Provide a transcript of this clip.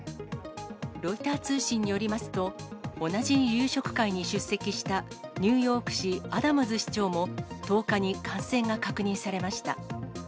ロイター通信によりますと、同じ夕食会に出席したニューヨーク市、アダムズ市長も１０日に感染が確認されました。